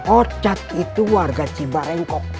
ocat itu warga cibarengkok